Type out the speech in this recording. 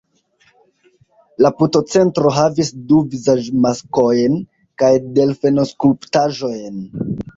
La putocentro havis du vizaĝmaskojn kaj delfenoskulptaĵojn.